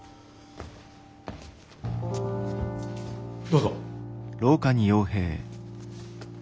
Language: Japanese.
どうぞ。